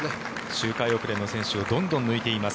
周回遅れの選手をどんどん抜いています。